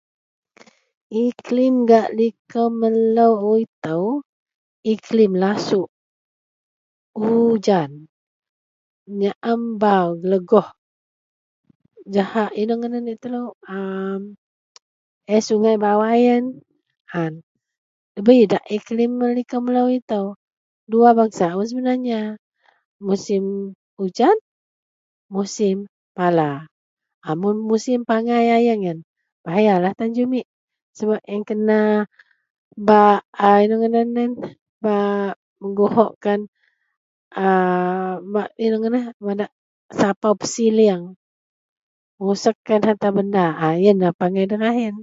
Iklim gak likou melou itou iklim lasuk, ujan, nyaem bau, gelegoh jahak inou ngadan laei telou aa nyaem sungai bawai yen an. Ndabei idak iklim gak likou melou itou. Duwa bangsa un sebenarnya. Musim ujan, musim pala. Amun musim pangai ayeng yen bahayalah tan jumit sebab a yen kena bak ai inou ngadan yen bak menguhok wak kan a bak inou ngadan madak sapau pesilieng, rusek harta benda. A yenlah pangai deraih yen.